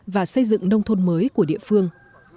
và xây dựng nông thôn mới của địa phương